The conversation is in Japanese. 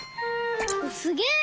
すげえ！